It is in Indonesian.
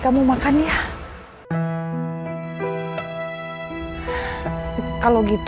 kamu akan nasib baik